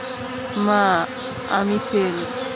মা, আমি ফেল।